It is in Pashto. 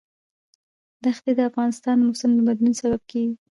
ښتې د افغانستان د موسم د بدلون سبب کېږي.